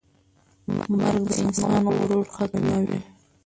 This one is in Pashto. مرګ د انسان غرور ختموي.